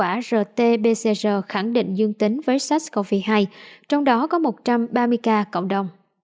và hai trăm ba mươi bốn trường hợp có kết quả rt bcr khẳng định dương tính với sars cov hai trong đó có một trăm ba mươi ca cộng đồng